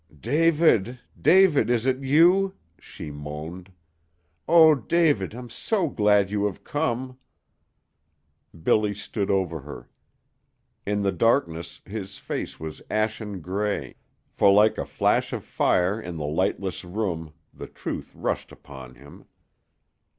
"David David is it you?" she moaned. "Oh, David, I'm so glad you have come!" Billy stood over her. In the darkness his face was ashen gray, for like a flash of fire in the lightless room the truth rushed upon him.